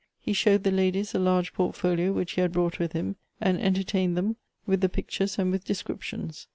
He showed the ladies a large portfolio which he had brought with him, and entertained them with the 246 Goethe's pictures and with descriptions.